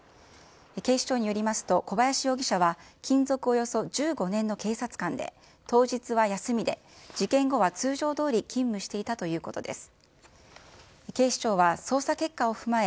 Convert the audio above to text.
警視庁によりますと、小林容疑者は、勤続およそ１５年の警察官で、当日は休みで、事件後は通常どおり勤務していたということです。